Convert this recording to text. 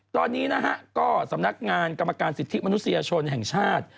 ตอนนี้นะฮะก็สำนักงานกรรมการสิทธิมนุษยชนแห่งชาติ